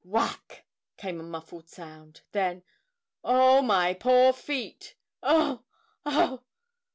Whack! came a muffled sound. Then, "Oh, my poor feet! Oh! Oh!"